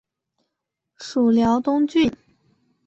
属辽东郡。